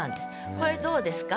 これどうですか？